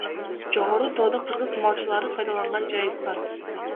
Жогору тоодо — кыргыз малчылары пайдаланган жайыт бар.